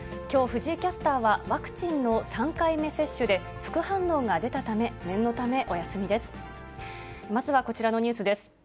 きょう、藤井キャスターは、ワクチンの３回目接種で副反応が出たため、念のためお休みです。